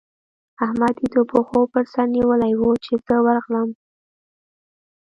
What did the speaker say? احمد يې د پښو پر سره نيولی وو؛ چې زه ورغلم.